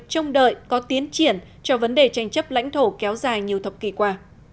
trông đợi có tiến triển cho vấn đề tranh chấp lãnh thổ kéo dài nhiều thập kỷ qua